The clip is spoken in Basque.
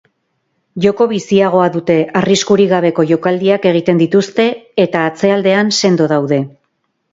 Joko biziagoa dute, arriskurik gabeko jokaldiak egiten dituzte eta atzealdean sendo daude.